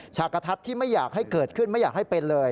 ฉกกระทัดที่ไม่อยากให้เกิดขึ้นไม่อยากให้เป็นเลย